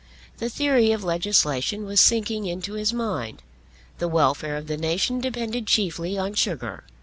The theory of legislation was sinking into his mind. The welfare of the nation depended chiefly on sugar.